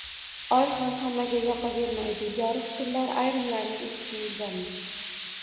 – Oy ham hammaga yoqavermaydi, yorug’ tunlar ayrimlarning uyqusini buzarmish.